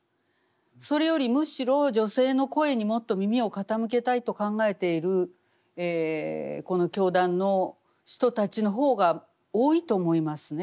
それよりむしろ女性の声にもっと耳を傾けたいと考えているこの教団の人たちの方が多いと思いますね。